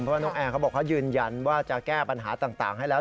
เพราะว่านกแอร์เขาบอกเขายืนยันว่าจะแก้ปัญหาต่างให้แล้ว